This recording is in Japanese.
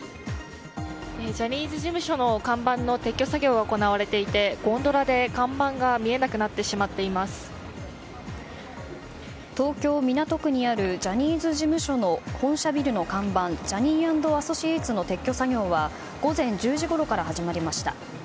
ジャニーズ事務所の看板の撤去作業が行われていてゴンドラで看板が東京・港区にあるジャニーズ事務所の本社ビルの看板「Ｊｏｈｎｎｙ＆Ａｓｓｏｃｉａｔｅｓ」の撤去作業は午前１０時ごろから始まりました。